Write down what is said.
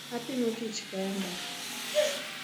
Atimo tich kenda.